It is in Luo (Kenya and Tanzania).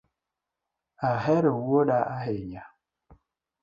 Ahero wuoda ahinya?